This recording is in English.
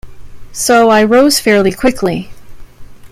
So I rose fairly quickly.